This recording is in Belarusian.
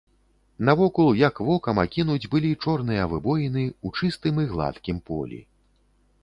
Навокал, як вокам акінуць, былі чорныя выбоіны ў чыстым і гладкім полі.